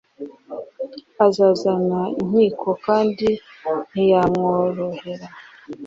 azazana inkiko kandi ntiyamworohera."